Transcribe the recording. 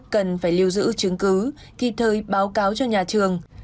cần phải lưu giữ chứng cứ kịp thời báo cáo cho nhà trường